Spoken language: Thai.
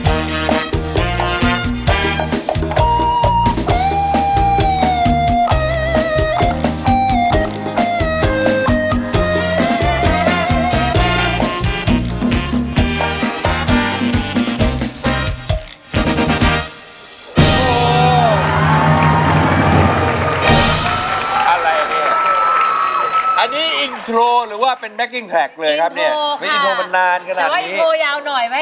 อันนี้อินโทรหรือว่าเป็นแบคกิ้นแทรกเลยครับเนี่ยอินโทรค่ะอินโทรมันนานขนาดนี้แต่ว่าอินโทรยาวหน่อยไว้